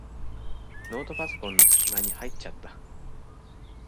ノートパソコンのすき間に入っちゃった。